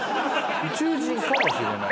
宇宙人かもしれない。